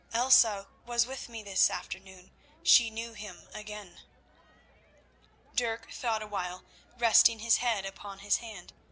Elsa was with me this afternoon, she knew him again." Dirk thought a while, resting his head upon his hand.